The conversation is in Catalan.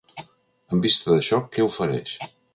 En vista d’això que ofereix?